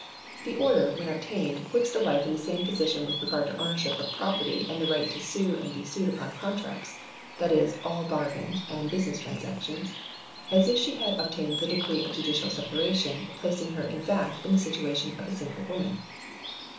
The order, when obtained, puts the wife in the same position with regard to ownership of property and the right to sue and be sued upon contracts (that is, all bargains and business transactions), as if she had obtained the decree of judicial separation, placing her, in fact, if the situation of a single woman.